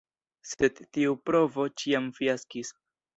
Sed tiu provo ĉiam fiaskis.